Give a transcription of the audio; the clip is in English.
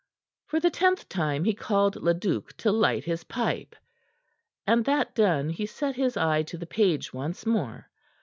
For the tenth time he called Leduc to light his pipe; and, that done, he set his eye to the page once more.